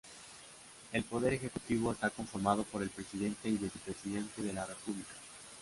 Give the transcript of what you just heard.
El poder ejecutivo está conformado por el Presidente y Vicepresidente de la República.